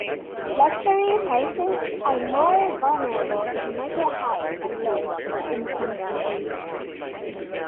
Luxury prices are more vulnerable to market highs and lows in some cases.